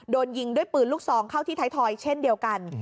โดนยิงด้วยปืนลูกซองเข้าที่ไทยทอยเช่นเดียวกัน